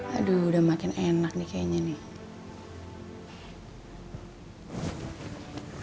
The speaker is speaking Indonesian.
aduh udah makin enak nih kayaknya nih